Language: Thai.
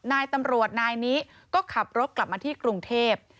นายตำรวจนายนี้ก็ขับรถกลับมาที่กรุงเทพ